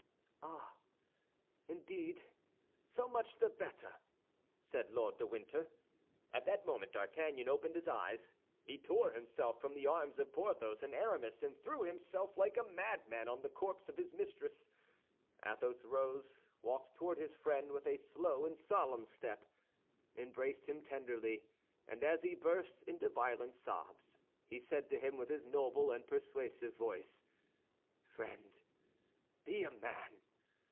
"Ah, indeed, so much the better!" said Lord de Winter. At that moment D'Artagnan opened his eyes. He tore himself from the arms of Porthos and Aramis, and threw himself like a madman on the corpse of his mistress. Athos rose, walked toward his friend with a slow and solemn step, embraced him tenderly, and as he burst into violent sobs, he said to him with his noble and persuasive voice, "Friend, be a man!